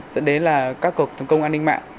dẫn đến là các cuộc tấn công an ninh mạng